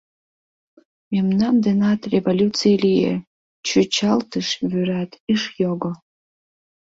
Мемнан денат революций лие — чӱчалтыш вӱрат ыш його.